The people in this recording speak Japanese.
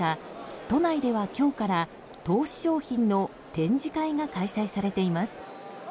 都内では今日から投資商品の展示会が開催されています。